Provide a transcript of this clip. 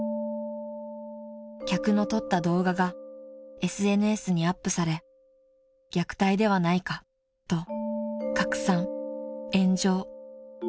［客の撮った動画がＳＮＳにアップされ「虐待ではないか」と拡散炎上］